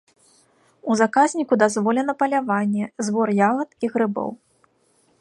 У заказніку дазволена паляванне, збор ягад і грыбоў.